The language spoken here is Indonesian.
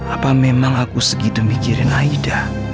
apa memang aku segitu mikirin aida